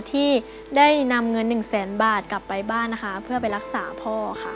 ที่ได้นำเงินหนึ่งแสนบาทกลับไปบ้านนะคะเพื่อไปรักษาพ่อค่ะ